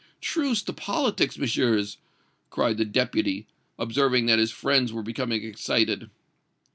"Truce to politics, Messieurs!" cried the Deputy, observing that his friends were becoming excited.